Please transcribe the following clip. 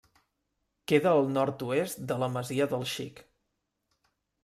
Queda al nord-oest de la Masia del Xic.